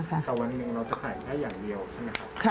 แต่วันหนึ่งเราจะขายแค่อย่างเดียวใช่ไหมครับ